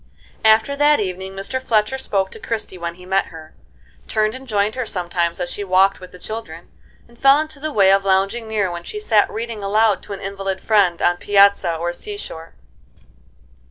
After that evening Mr. Fletcher spoke to Christie when he met her, turned and joined her sometimes as she walked with the children, and fell into the way of lounging near when she sat reading aloud to an invalid friend on piazza or sea shore.